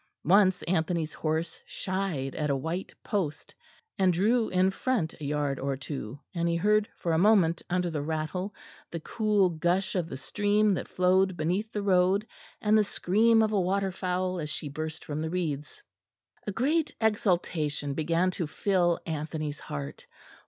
Once Anthony's horse shied at a white post, and drew in front a yard or two; and he heard for a moment under the rattle the cool gush of the stream that flowed beneath the road and the scream of a water fowl as she burst from the reeds. A great exultation began to fill Anthony's heart.